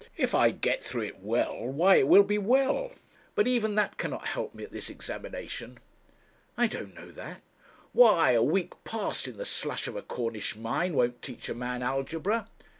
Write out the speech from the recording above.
If I get through it well, why it will be well. But even that cannot help me at this examination.' 'I don't know that.' 'Why a week passed in the slush of a Cornish mine won't teach a man algebra.'